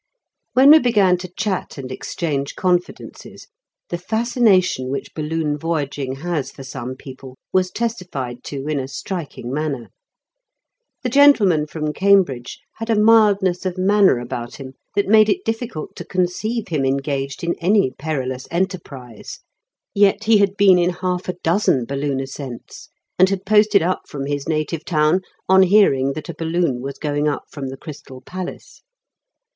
When we began to chat and exchange confidences, the fascination which balloon voyaging has for some people was testified to in a striking manner. The gentleman from Cambridge had a mildness of manner about him that made it difficult to conceive him engaged in any perilous enterprise. Yet he had been in half a dozen balloon ascents, and had posted up from his native town on hearing that a balloon was going up from the Crystal Palace.